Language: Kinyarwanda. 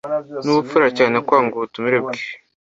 Nubupfura cyane kwanga ubutumire bwe.